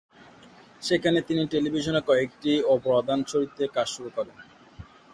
সেখানে তিনি টেলিভিশনে কয়েকটি অপ্রধান চরিত্রে কাজ শুরু করেন।